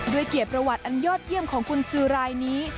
เกียรติประวัติอันยอดเยี่ยมของกุญสือรายนี้